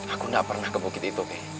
aku tidak pernah ke bukit itu kei